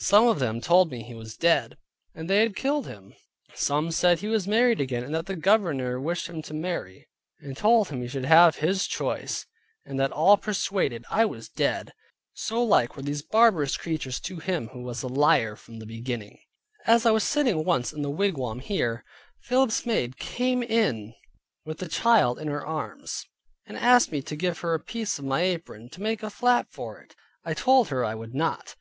Some of them told me he was dead, and they had killed him; some said he was married again, and that the Governor wished him to marry; and told him he should have his choice, and that all persuaded I was dead. So like were these barbarous creatures to him who was a liar from the beginning. As I was sitting once in the wigwam here, Philip's maid came in with the child in her arms, and asked me to give her a piece of my apron, to make a flap for it. I told her I would not.